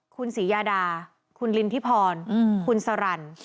คุณสิญาดาคุณลินที่พรคุณสะรัน